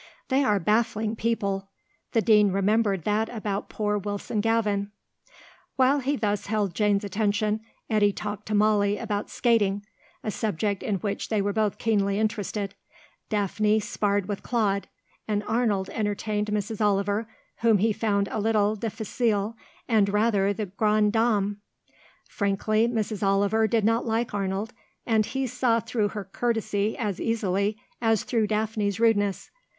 They are baffling people; the Dean remembered that about poor Wilson Gavin. While he thus held Jane's attention, Eddy talked to Molly about skating, a subject in which both were keenly interested, Daphne sparred with Claude, and Arnold entertained Mrs. Oliver, whom he found a little difficile and rather the grande dame. Frankly, Mrs. Oliver did not like Arnold, and he saw through her courtesy as easily as through Daphne's rudeness.